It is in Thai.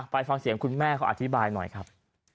ฟังเสียงคุณแม่เขาอธิบายหน่อยครับ